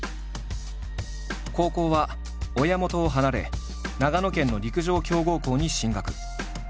高校は親元を離れ長野県の陸上強豪校に進学。